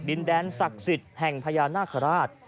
ดินแดนศักดิ์สิทธิ์แห่งพญานาคาราช